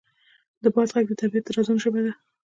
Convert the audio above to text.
د باد غږ د طبیعت د رازونو ژبه ده.